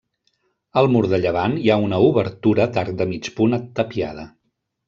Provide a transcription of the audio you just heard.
Al mur de llevant hi ha una obertura d'arc de mig punt tapiada.